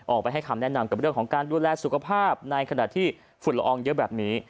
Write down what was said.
ออกไปให้คำแนะนำกับเรื่องของการดูแลสุขภาพในขณะที่ฝุ่นละอองเยอะแบบนี้